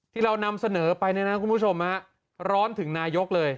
ที่เรานำเสนอไปเนี่ยนะคุณผู้ชมร้อนถึงนายกเลย